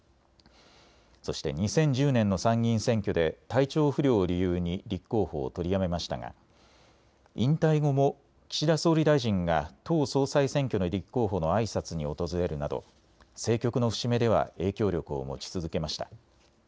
そして２０１０年の参議院選挙で体調不良を理由に立候補を取りやめましたが引退後も岸田総理大臣が党総裁選挙の立候補のあいさつに訪れるなど政局の節目では影響力を持ち続けました。